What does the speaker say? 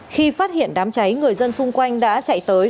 khi phát hiện đám cháy người dân xung quanh đã chạy tới